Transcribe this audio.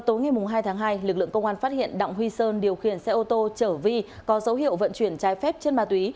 tối ngày hai tháng hai lực lượng công an phát hiện đặng huy sơn điều khiển xe ô tô chở vi có dấu hiệu vận chuyển trái phép chân ma túy